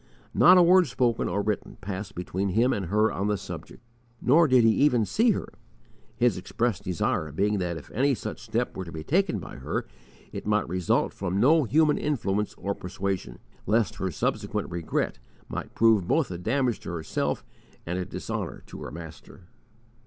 Not a word spoken or written passed between him and her on the subject, nor did he even see her; his express desire being that if any such step were to be taken by her, it might result from no human influence or persuasion, lest her subsequent regret might prove both a damage to herself and a dishonour to her Master.